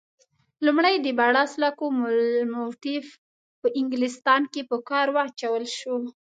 لومړی د بړاس لکوموټیف په انګلیستان کې په کار واچول شو.